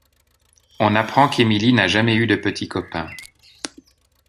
On apprend qu'Emily n'a jamais eu de petit copain.